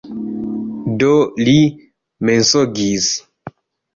Do, li mensogis.